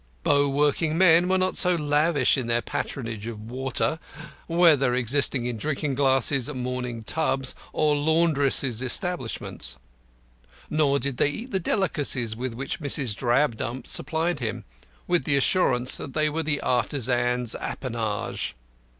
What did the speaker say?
Bow working men were not so lavish in their patronage of water, whether existing in drinking glasses, morning tubs, or laundress's establishments. Nor did they eat the delicacies with which Mrs. Drabdump supplied him, with the assurance that they were the artisan's appanage.